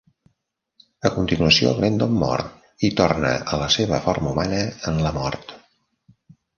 A continuació, Glendon mor i torna a la seva forma humana en la mort.